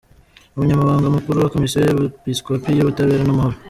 Umunyamabanga Mukuru wa Komisiyo y’Abepiskopi y’Ubutabera n’Amahoro,